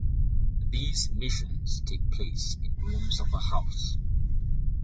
These missions take place in rooms of a house.